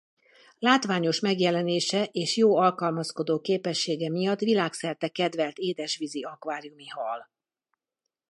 Látványos megjelenése és jó alkalmazkodó képessége miatt világszerte kedvelt édesvízi akváriumi hal.